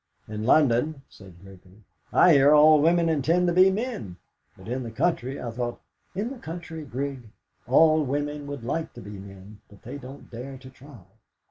"In London," said Gregory, "I hear all women intend to be men; but in the country I thought " "In the country, Grig, all women would like to be men, but they don't dare to try.